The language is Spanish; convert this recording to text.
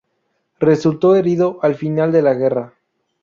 Resultó herido al final de la guerra.